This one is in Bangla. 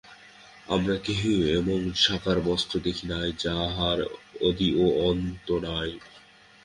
আমরা কেহই এমন সাকার বস্তু দেখি নাই, যাহার আদি ও অন্ত নাই।